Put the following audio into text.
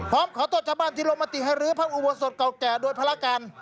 พร้อมขอโทษชาวบ้านที่ลงมติให้รื้อพระอุโบสถเก่าแก่โดยภารการ